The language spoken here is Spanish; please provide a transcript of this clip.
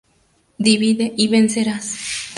Divide y vencerás